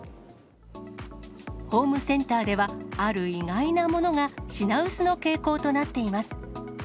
ホームセンターでは、ある意外なものが品薄の傾向となっています。